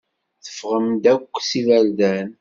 Teffɣem-d akk s iberdan.